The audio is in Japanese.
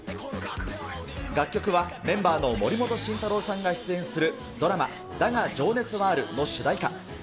楽曲はメンバーの森本慎太郎さんが出演するドラマ、だが、情熱はあるの主題歌。